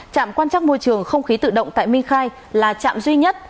trạm quan trắc môi trường không khí tự động tại minh khai là trạm duy nhất